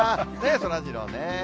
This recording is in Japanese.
そらジローね。